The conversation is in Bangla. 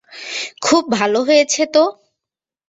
খুব ভালো হয়েছে তো।